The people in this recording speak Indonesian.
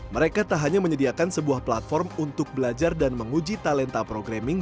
mereka tak hanya menyediakan sebuah platform untuk belajar dan menguji talenta programming